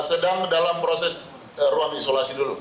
sedang dalam proses ruang isolasi dulu